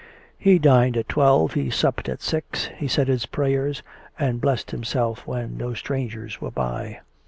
He dined at twelve, he supped at six, he said his prayers, and blessed himself when no strangers were by.